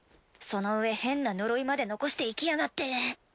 そのうえ変な呪いまで残していきやがって。